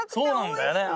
そうなんだよね